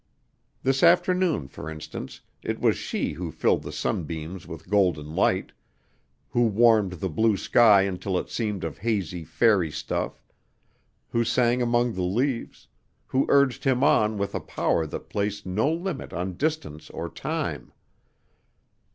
This afternoon for instance, it was she who filled the sunbeams with golden light, who warmed the blue sky until it seemed of hazy fairy stuff, who sang among the leaves, who urged him on with a power that placed no limit on distance or time.